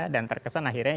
dan terkesan akhirnya